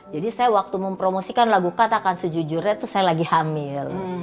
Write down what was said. jadi saya waktu mempromosikan lagu kataka sejujurnya itu saya lagi hamil